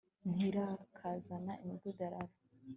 ntirakazana imidugararo